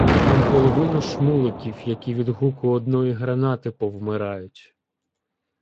Там половина шмуликів, які від гуку одної гранати повмирають.